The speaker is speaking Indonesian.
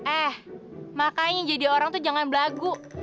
eh makanya jadi orang tuh jangan belagu